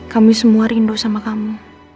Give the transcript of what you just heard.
kami semua rindu sama kamu